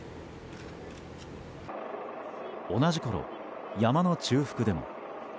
同じころ、山の中腹でも。